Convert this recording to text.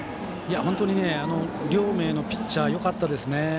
本当に両名のピッチャーよかったですね。